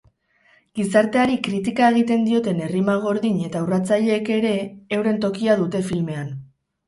Gizarteari kritika egiten dioten errima gordin eta urratzaileek ere euren tokia dute filmean.